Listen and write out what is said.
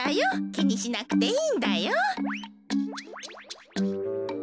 きにしなくていいんだよ。